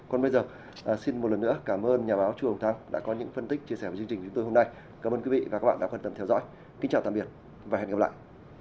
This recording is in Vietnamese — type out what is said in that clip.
còn bây giờ xin một lần nữa cảm ơn nhà báo chuồng thăng đã có những phân tích chia sẻ với chương trình của chúng tôi hôm nay cảm ơn quý vị và các bạn đã quan tâm theo dõi kính chào tạm biệt và hẹn gặp lại